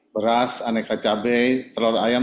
beras aneka cabai telur ayam